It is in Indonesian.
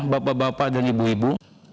bapak bapak dan ibu ibu